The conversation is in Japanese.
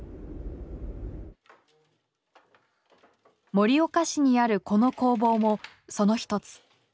盛岡市にあるこの工房もその一つ。